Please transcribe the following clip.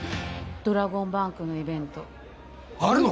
ドラゴンバンクのイベントあるの！？